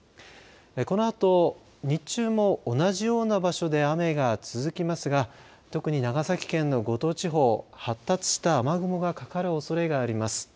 このあと日中も同じような場所で雨が続きますが特に長崎県の五島地方発達した雨雲がかかるおそれがあります。